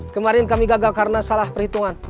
kemarin kami gagal karena salah perhitungan